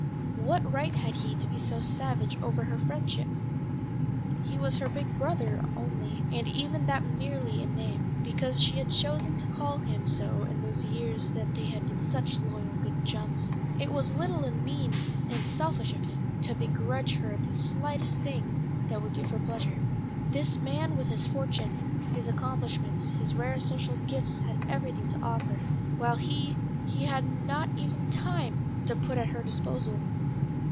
What right had he to be so savage over her friendship? He was her big brother only, and even that merely in name, because she had chosen to call him so in those years that they had been such loyal good chums. It was little and mean and selfish of him to begrudge her the slightest thing that would give her pleasure. This man with his fortune, his accomplishments, his rare social gifts had everything to offer, while he, he had not even time to put at her disposal.